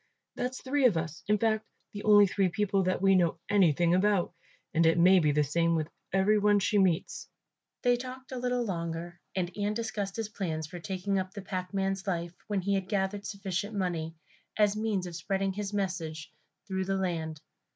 That's three of us, in fact the only people that we know anything about, and it may be the same with every one she meets." They talked a little longer and Ian discussed his plans for taking up the packman's life when he had gathered sufficient money, as a means of spreading his message through the land.